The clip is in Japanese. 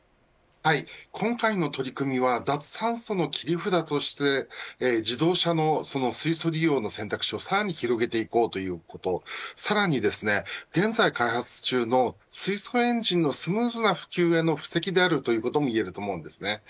今回の取り組みは脱炭素の切り札として自動車の水素利用の選択肢をさらに広げていこうということさらに、現在開発中の水素エンジンのスムーズな普及への布石があると言えると思います。